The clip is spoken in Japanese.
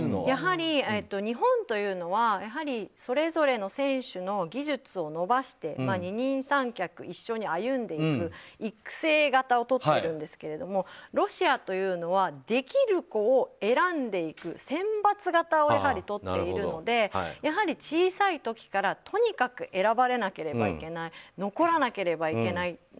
やはり、日本というのはそれぞれの選手の技術を伸ばして二人三脚、一緒に歩んでいく育成型をとっているんですがロシアというのはできる子を選んでいく選抜型をとっているのでやはり小さい時からとにかく選ばれなければいけない残らなければいけない。